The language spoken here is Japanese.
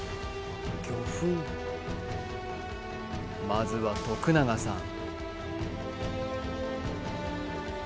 まずは永さん